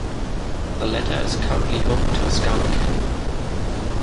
The latter is currently home to a Scout camp.